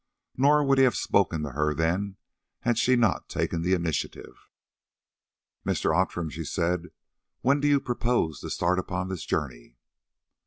Nor would he have spoken to her then had she not taken the initiative. "Mr. Outram," she said, "when do you propose to start upon this journey?"